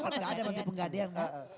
enggak ada menteri penggadean enggak